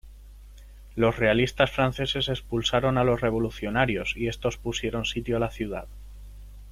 Los realistas franceses expulsaron a los revolucionarios y estos pusieron sitio a la ciudad.